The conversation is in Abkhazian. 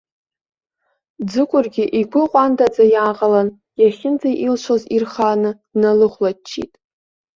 Ӡыкәыргьы игәы ҟәандаӡа иааҟалан, иахьынӡаилшоз ирхааны дналыхәлаччеит.